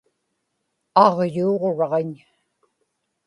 aġyuuġraġiñ